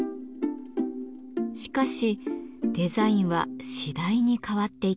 しかしデザインは次第に変わっていきます。